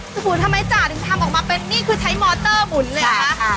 สมุนทำไมจ่าถึงทำออกมาเป็นนี่คือใช้มอเตอร์หมุนเลยเหรอคะ